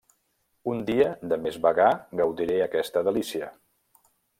Un dia de més vagar gaudiré aquesta delícia.